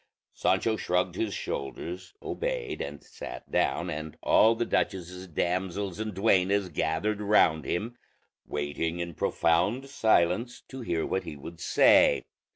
Sancho shrugged his shoulders, obeyed, and sat down, and all the duchess's damsels and duennas gathered round him, waiting in profound silence to hear what he would say.